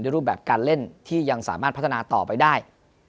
รูปแบบการเล่นที่ยังสามารถพัฒนาต่อไปได้